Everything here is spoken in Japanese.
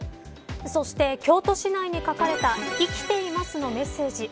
そして京都市内に書かれた生きていますのメッセージ。